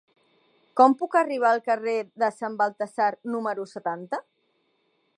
Com puc arribar al carrer de Sant Baltasar número setanta?